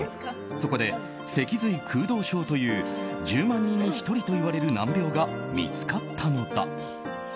そこで脊髄空洞症という１０万人に１人といわれる難病が見つかったのだ。